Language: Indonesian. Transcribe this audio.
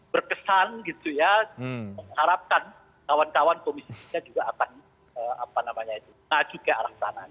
berkesan gitu ya harapkan kawan kawan komisinya juga akan apa namanya ya juga alasan